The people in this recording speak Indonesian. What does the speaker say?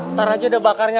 ntar aja udah bakarnya